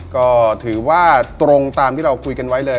ก็ถือว่าตรงตามที่เราคุยกันไว้เลย